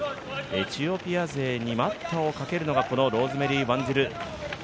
エチオピア勢に待ったをかけるのが、このローズメリー・ワンジル。